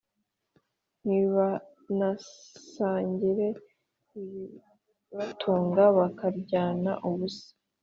Ntibanasangire ibibatunga bakaryana ubusa